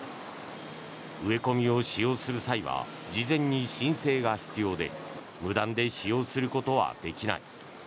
植え込みを使用する際は事前に申請が必要で無断で使用することはできない。